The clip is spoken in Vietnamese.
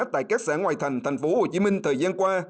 tại các xã ngoài thành tp hcm thời gian qua